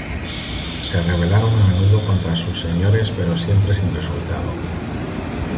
Se rebelaron a menudo contra sus señores, pero siempre sin resultado.